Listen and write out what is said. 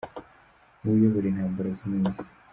Niwe uyobora Intambara zo mu isi.